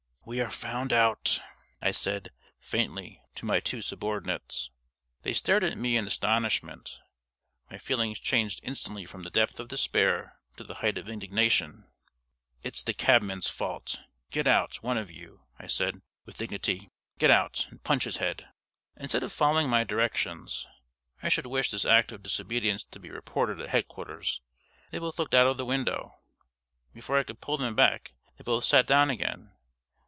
"We are found out!" I said, faintly, to my two subordinates. They stared at me in astonishment. My feelings changed instantly from the depth of despair to the height of indignation. "It is the cabman's fault. Get out, one of you," I said, with dignity "get out, and punch his head." Instead of following my directions (I should wish this act of disobedience to be reported at headquarters) they both looked out of the window. Before I could pull them back they both sat down again.